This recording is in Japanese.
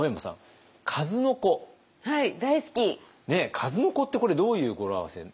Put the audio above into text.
数の子ってこれどういう語呂合わせ？